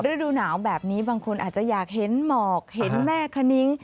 ฤดูหนาวแบบนี้บางคนอาจจะอยากเห็นหมอกเห็นแม่คณิ้ง